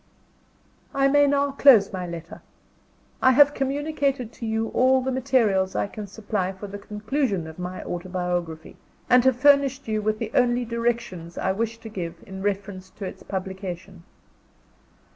I may now close my letter. I have communicated to you all the materials I can supply for the conclusion of my autobiography, and have furnished you with the only directions I wish to give in reference to its publication.